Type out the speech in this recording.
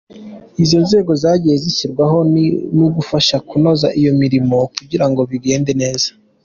Izo nzego zagiye zishyirwaho ni ugufasha kunoza iyo mirimo kugira ngo bigende neza.